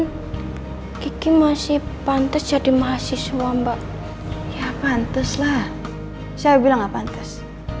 ya kiki masih pantas jadi mahasiswa mbak ya pantes lah saya bilang nggak pantas